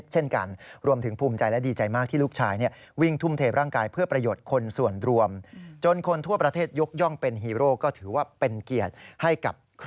เช่นเดียวกันนะครับ